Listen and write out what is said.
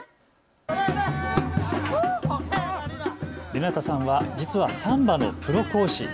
レナタさんは実はサンバのプロ講師。